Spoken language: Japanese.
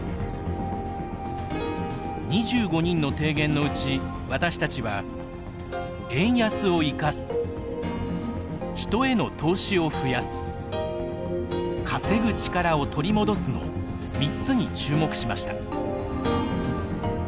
２５人の提言のうち私たちは円安を生かす人への投資を増やす稼ぐ力を取り戻すの３つに注目しました。